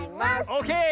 オーケー！